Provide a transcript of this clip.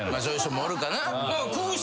そういう人もおるかな。